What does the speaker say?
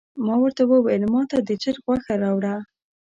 ما ورته وویل ماته د چرګ غوښه راوړه.